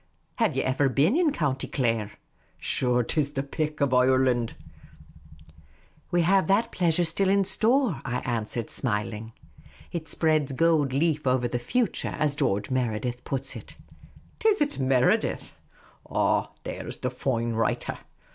Have ye ever been in County Clare ? Sure, 't is the pick of Oireland." The Unobtrusive Oasis 185 " We have that pleasure still in store," I an.swered, smiling. " It spreads gold leaf over the future, as George Meredith puts it." "Is it Meredith ? Ah, there 's the foine writer